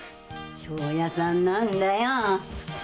庄屋さんなんだよ！